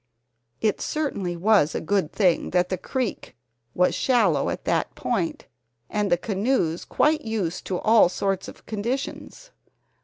It certainly was a good thing that the creek was shallow at that point and the canoes quite used to all sorts of conditions.